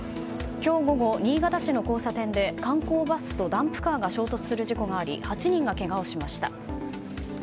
今日午後、新潟市の交差点で観光バスとダンプカーが衝突する事故があり８人がけがをしました。